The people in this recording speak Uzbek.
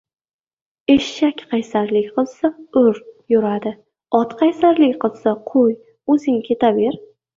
• Eshak qaysarlik qilsa ― ur, yuradi; ot qaysarlik qilsa qo‘y, o‘zing ketaver.